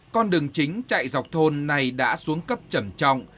con đường chính chạy dọc thôn này đã xuống cấp trầm trọng